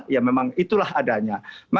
ya memang itulah adanya